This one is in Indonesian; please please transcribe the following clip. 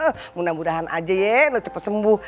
aduh mudah mudahan aja ya lo cepet sembuh